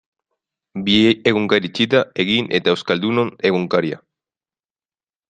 Bi egunkari itxita, Egin eta Euskaldunon Egunkaria.